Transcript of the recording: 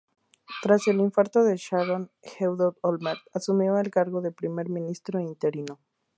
Tras el infarto de Sharon, Ehud Olmert asumió el cargo de Primer Ministro interino.